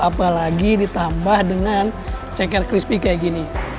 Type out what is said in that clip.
apalagi ditambah dengan ceker crispy kayak gini